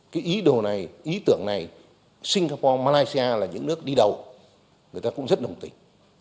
cái ý đồ này ý tưởng này singapore malaysia là những nước đi đầu người ta cũng rất đồng tình